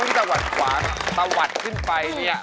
ทั้งสวาสตร์ขวานสวาสตร์ขึ้นไปนี่